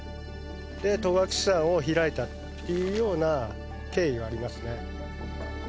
で戸隠山を開いたっていうような経緯がありますね。